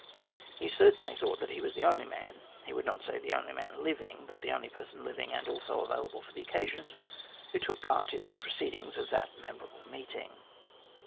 He certainly thought he was the only man he would not say the only man living, but the only person living and also available for the occasion who took part in the proceedings of that memorable meeting.